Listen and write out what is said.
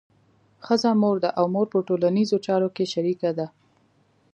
ښځه مور ده او مور په ټولنیزو چارو کې شریکه ده.